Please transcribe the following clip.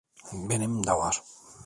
Benim de var.